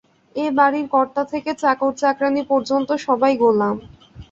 এ বাড়িতে কর্তা থেকে চাকর-চাকরানী পর্যন্ত সবাই গোলাম।